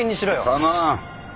構わん。